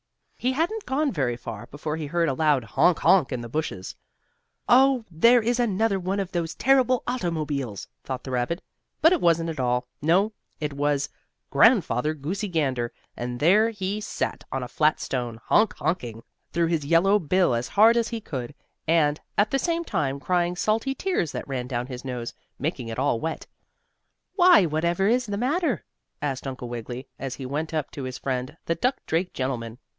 He hadn't gone very far before he heard a loud "Honk honk!" in the bushes. "Oh, there is another one of those terrible automobiles!" thought the rabbit. But it wasn't at all. No, it was Grandfather Goosey Gander, and there he sat on a flat stone, "honk honking" through his yellow bill as hard as he could, and, at the same time crying salty tears that ran down his nose, making it all wet. "Why, whatever is the matter?" asked Uncle Wiggily, as he went up to his friend, the duck drake gentleman.